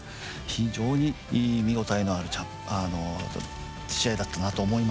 非常に見応えのある試合だったなと思います。